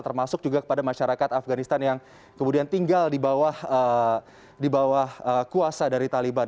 termasuk juga kepada masyarakat afganistan yang kemudian tinggal di bawah kuasa dari taliban